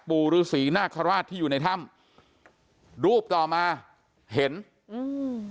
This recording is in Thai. ปู่ฤษีนาคาราชที่อยู่ในถ้ำรูปต่อมาเห็นอืม